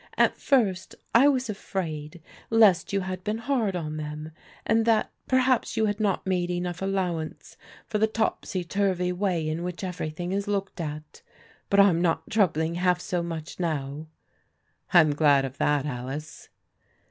At first I was afraid lest you had been hard on them, and that perhaps you had not made enough allow ance for the topsy turvy way in which everything is looked at. But I'm not troubling half so much now." " I'm glad of that, Alice."